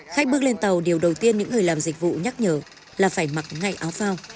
khách bước lên tàu điều đầu tiên những người làm dịch vụ nhắc nhở là phải mặc ngay áo phao